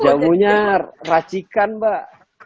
jamunya racikan mbak